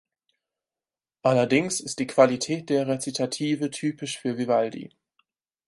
Allerdings ist die Qualität der Rezitative typisch für Vivaldi.